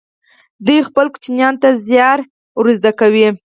دوی خپلو ماشومانو ته زیار ور زده کوي.